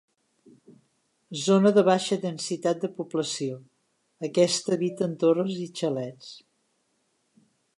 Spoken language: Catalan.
Zona de baixa densitat de població, aquesta habita en torres i xalets.